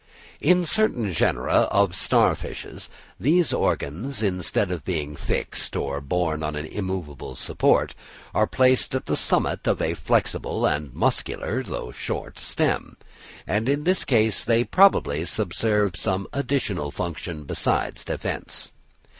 In certain genera of star fishes these organs, instead of being fixed or borne on an immovable support, are placed on the summit of a flexible and muscular, though short, stem; and in this case they probably subserve some additional function besides defence.